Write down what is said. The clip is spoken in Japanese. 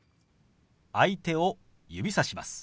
相手を指さします。